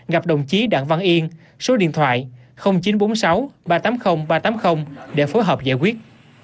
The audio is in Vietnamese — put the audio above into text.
gặp đồng chí đặng văn yên số điện thoại chín trăm bốn mươi sáu ba trăm tám mươi ba trăm tám mươi để phối hợp giải quyết